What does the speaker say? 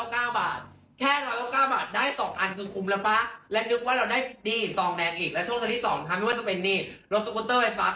แค่๑๙๙บาทแค่๑๙๙บาทได้๒อันคือคุ้มแล้วป๊ะ